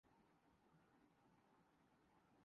اسکی جان کو خطرے میں ڈال دیا آپ نے رپورٹنگ کر کے